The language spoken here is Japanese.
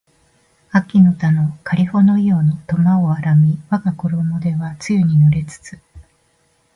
秋の田のかりほの庵の苫を荒みわがころも手は露に濡れつつ